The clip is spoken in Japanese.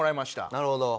なるほど。